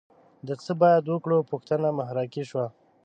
د څه باید وکړو پوښتنه محراقي شوه